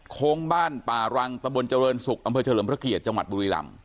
โค้งบ้านป่ารังตะบนเจริญศุกร์อำเภอเฉลิมพระเกียรติจังหวัดบุรีรำ